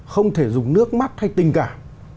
không thể dùng nước mắt hay tình cảm